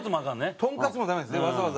とんかつもダメですねわざわざ。